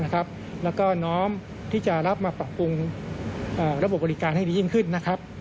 แล้วก็น้อมที่จะรับมาปรับปรุงระบบบริการให้ดียิ่งขึ้นนะครับ